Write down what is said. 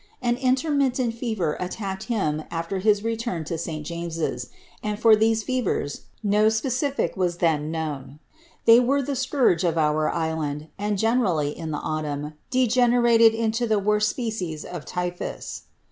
An intermittent fever attacked him after his return to St. James's, . and for these fevers no specific was then known ; they were the scourge of our island, and generally, in the autumn, degenerated into the worst species of typhus.